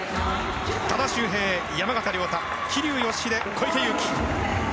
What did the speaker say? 多田修平、山縣亮太桐生祥秀、小池祐貴。